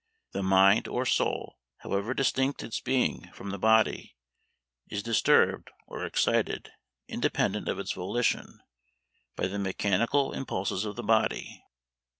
The mind, or soul, however distinct its being from the body, is disturbed or excited, independent of its volition, by the mechanical impulses of the body.